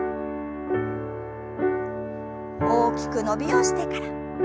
大きく伸びをしてから。